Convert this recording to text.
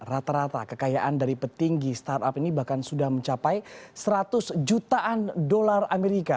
rata rata kekayaan dari petinggi startup ini bahkan sudah mencapai seratus jutaan dolar amerika